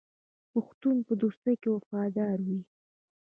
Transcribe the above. پښتون په دوستۍ کې وفادار وي.